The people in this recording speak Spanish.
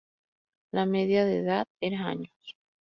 La media de edad era años.